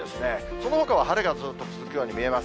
そのほかは、ずっと続くように見えます。